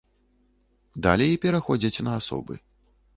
Далей пераходзяць на асобы.